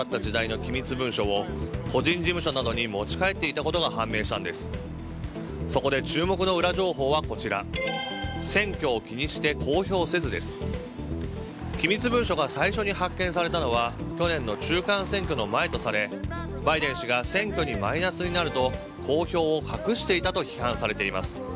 機密文書が最初に発見されたのは去年の中間選挙の前とされバイデン氏が選挙にマイナスになると公表を隠していたと批判されています。